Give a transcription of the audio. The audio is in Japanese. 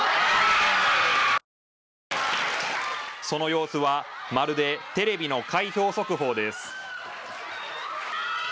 その様子はまるでテレビの開票速報です。